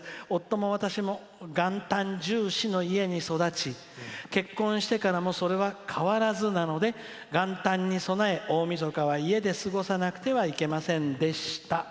夫も私も元旦重視の家に育ち結婚してからもそれは変わらずなので元旦に備え、大みそかは家で過ごさなくてはいけませんでした」。